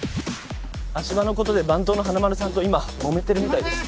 足場のことで番頭の華丸さんと今もめてるみたいです。